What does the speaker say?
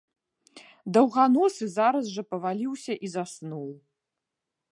Даўганосы зараз жа паваліўся і заснуў.